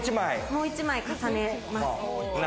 もう一枚重ねます。